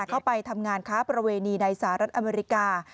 เข้าไปทำงานค้าประเวณีในสหรัฐอเมริกา